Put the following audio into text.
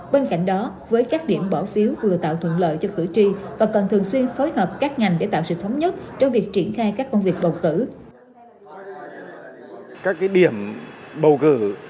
bên cạnh đó với các điểm bỏ phiếu vừa tạo thuận lợi cho cử tri và cần thường xuyên phối hợp các ngành để tạo sự thống nhất trong việc triển khai các công việc bầu cử